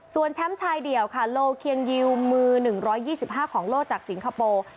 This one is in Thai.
ส่วนแชมป์ชายเดี่ยวค่ะโลเคียงยิวมือ๑๒๕ของโลกจากสิงคโปร์